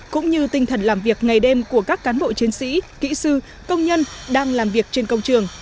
cũng như tinh thần làm việc ngày đêm của các cán bộ chiến sĩ kỹ sư công nhân đang làm việc trên công trường